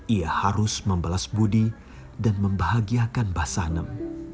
ia harus membalas budi dan membahagiakan basanem